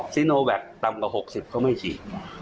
ซิโนแวคต่ำกว่า๖๐เขาไม่ฉีด